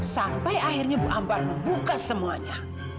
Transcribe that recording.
sampai akhirnya bu ambar membuka semuanya